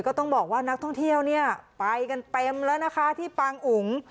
ก็ต้องบอกว่านักท่องเที่ยวเนี่ยไปกันเต็มแล้วนะคะที่ปางอุ๋ง